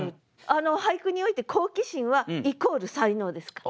俳句において好奇心はイコール才能ですから。